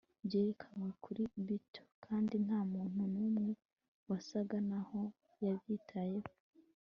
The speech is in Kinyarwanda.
Byerekanwe kuri bito Kandi nta muntu numwe wasaga naho yabyitayeho